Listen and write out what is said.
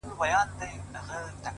د زنده باد د مردباد په هديره كي پراته ـ